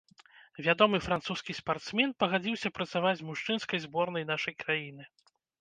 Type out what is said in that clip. Вядомы французскі спартсмен пагадзіўся працаваць з мужчынскай зборнай нашай краіны.